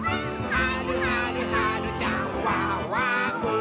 「はるはるはるちゃんワオワオ！」